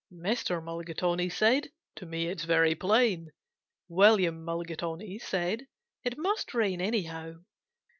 Mr. Mulligatawny said, "To me it's very plain." William Mulligatawny said, "It must rain, anyhow."